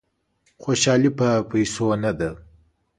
خوشالي په پیسو نه ده.